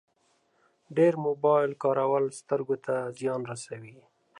ډېر موبایل کارول سترګو ته زیان رسوي.